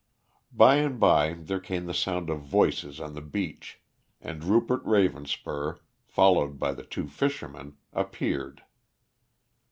By and by there came the sound of voices on the beach, and Rupert Ravenspur, followed by the two fishermen, appeared.